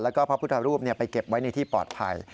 แล้วก็พระพุทธรูปไปเก็บไว้ในที่ปลอดภัย